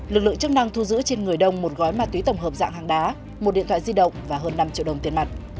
lực lượng chức năng thu giữ trên người đông một gói ma túy tổng hợp dạng hàng đá một điện thoại di động và hơn năm triệu đồng tiền mặt